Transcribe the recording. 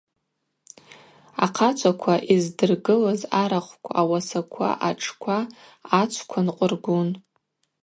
Ахъачваква йызддыргылыз арахвква, ауасаква, атшква, ачвква нкъвыргун.